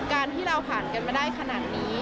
การที่เราผ่านกันมาได้ขนาดนี้